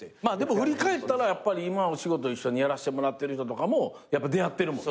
振り返ったら今お仕事一緒にやらせてもらってる人もやっぱ出会ってるもんね。